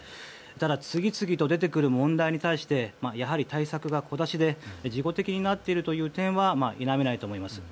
ただ次々と出てくる問題に対してやはり、対策が小出しで事後的になっているという点は否めないと思います。